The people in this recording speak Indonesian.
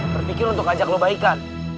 berpikir untuk ajak lo baikan